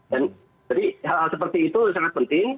jadi hal hal seperti itu sangat penting